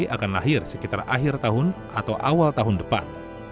akan lahir sekitar akhir tahun atau awal tahun depan